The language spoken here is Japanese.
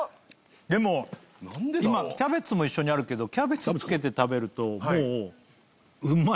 でも今キャベツも一緒にあるけどキャベツ付けて食べるともううまい。